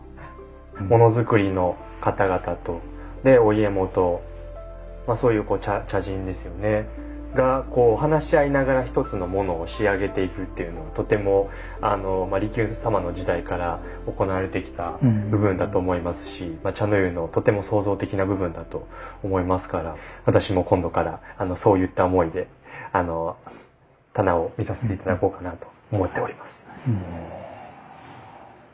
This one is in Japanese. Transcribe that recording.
ものづくりの方々とでお家元そういう茶人ですよねがこう話し合いながら一つのものを仕上げていくっていうのはとても利休様の時代から行われてきた部分だと思いますし茶の湯のとても創造的な部分だと思いますから私も今度からそういった思いで棚を見させて頂こうかなと思っております。